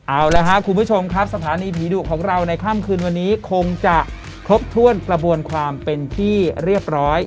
เอาละครับคุณผู้ชมครับสถานีผีดุของเราในค่ำคืนวันนี้คงจะครบถ้วนกระบวนความเป็นที่เรียบร้อย